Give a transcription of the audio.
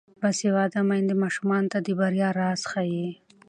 باسواده میندې ماشومانو ته د بریا راز ښيي.